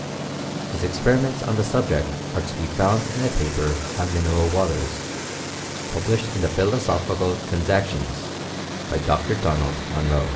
His experiments on the subject are to be^Jbttnd in a paper on Mineral Waters, published in the Philosophical Transactions, by Dr. Donald Mdnro.